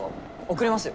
送りますよ。